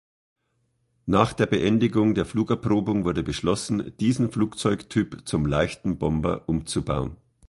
Nach der Beendigung der Flugerprobung wurde beschlossen, diesen Flugzeugtyp zum leichten Bomber umzubauen.